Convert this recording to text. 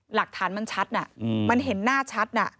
หลักฐานมันชัดน่ะอืมมันเห็นหน้าชัดน่ะ